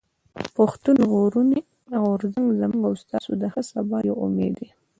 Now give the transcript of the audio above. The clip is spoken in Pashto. پښتون ژغورني غورځنګ زموږ او ستاسو د ښه سبا يو امېد دی.